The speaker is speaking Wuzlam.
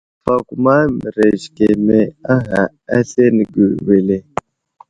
Kəfakuma mərez keme a ghay aslane wele.